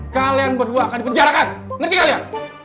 kasian banget sih